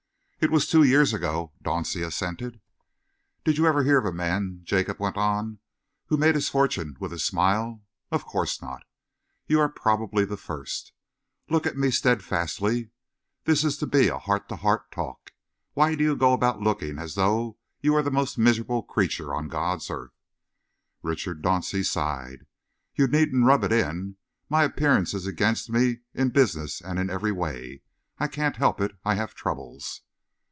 "It was two years ago," Dauncey assented. "Did you ever hear of a man," Jacob went on, "who made his fortune with a smile? Of course not. You are probably the first. Look at me steadfastly. This is to be a heart to heart talk. Why do you go about looking as though you were the most miserable creature on God's earth?" Richard Dauncey sighed. "You needn't rub it in. My appearance is against me in business and in every way. I can't help it. I have troubles."